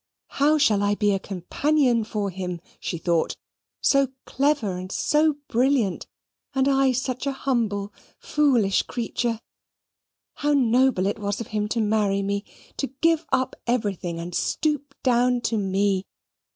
How shall I be a companion for him, she thought so clever and so brilliant, and I such a humble foolish creature? How noble it was of him to marry me to give up everything and stoop down to me!